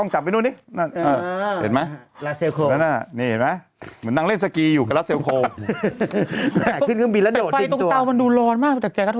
แต่เขาชอบอย่าง